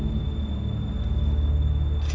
aku bisa sembuh